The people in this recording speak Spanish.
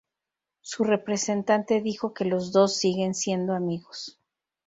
Su representante dijo que los dos siguen siendo amigos.